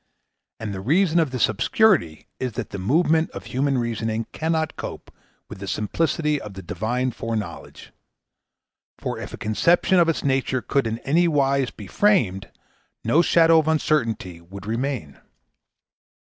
And the reason of this obscurity is that the movement of human reasoning cannot cope with the simplicity of the Divine foreknowledge; for if a conception of its nature could in any wise be framed, no shadow of uncertainty would remain.